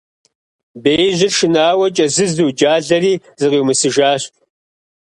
Беижьыр шынауэ кӀэзызу, джалэри зыкъиумысыжащ.